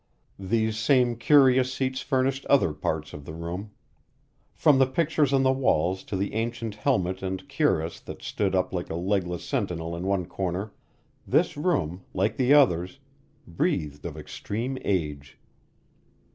These same curious seats furnished other parts of the room. From the pictures on the walls to the ancient helmet and cuirass that stood up like a legless sentinel in one corner, this room, like the others, breathed of extreme age.